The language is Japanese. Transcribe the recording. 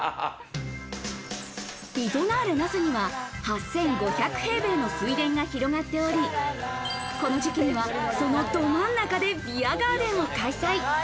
リゾナーレ那須には８５００平米の水田が広がっており、この時期にはそのど真ん中でビアガーデンを開催。